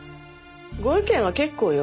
ご意見は結構よ。